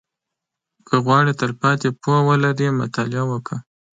• که غواړې تلپاتې پوهه ولرې، مطالعه وکړه.